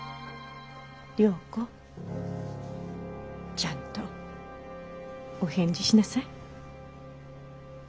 ちゃんとお返事しなさい。